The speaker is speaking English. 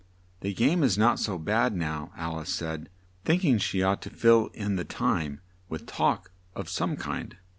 "The game is not so bad now," Al ice said, think ing she ought to fill in the time with talk of some kind.